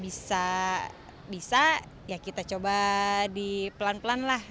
bisa ya kita coba di pelan pelan lah